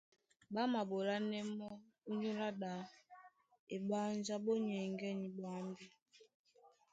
Ɓá maɓolánɛ́ mɔ́ ónyólá ɗā, eɓánjá ɓó nyɛŋgɛ̂ny ɓwambí.